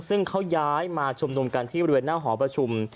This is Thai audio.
ซึ่งเขาย้ายมาชุมนุมกันที่บริเวณหน้าหอประชุม